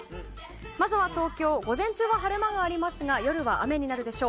まず東京、午前中は晴れ間がありますが夜は雨になるでしょう。